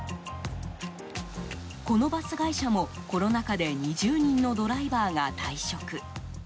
このバス会社もコロナ禍で２０人のドライバーが退職。